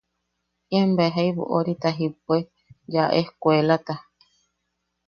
Ian bea jaibu orita jippue ya eskuelata.